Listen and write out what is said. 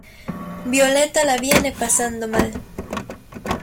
Violeta la viene pasando mal.